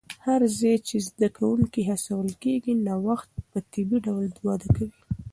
هر ځای چې زده کوونکي هڅول کېږي، نوښت په طبیعي ډول وده کوي.